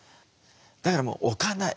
だからもう置かない。